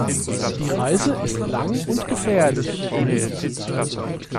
Die Reise ist lang und gefährlich.